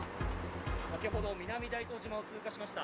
先ほど南大東島を通過しました。